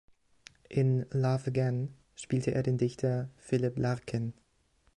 In „Love Again“ spielte er den Dichter Philip Larkin.